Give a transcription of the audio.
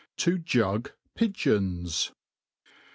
, Tq jug Pigeons. .